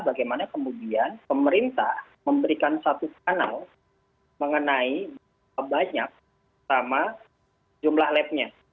bagaimana kemudian pemerintah memberikan satu skandal mengenai berapa banyak sama jumlah lab nya